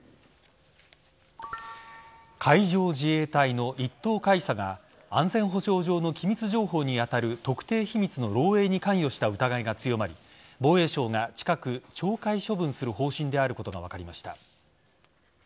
海上自衛隊の１等海佐が安全保障上の機密情報に当たる特定秘密の漏えいに関与した疑いが強まり防衛省が、近く懲戒処分する方針であることが分かりました。